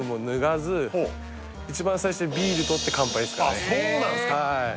はいあっそうなんですか